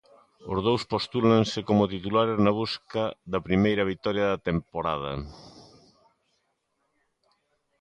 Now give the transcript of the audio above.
Os dous postúlanse como titulares na busca da primeira vitoria da temporada.